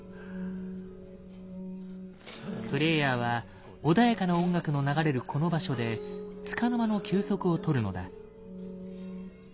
プレイヤーは穏やかな音楽の流れるこの場所でつかの間の休息を取るのだ。